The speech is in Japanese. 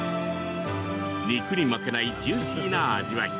肉に負けないジューシーな味わい。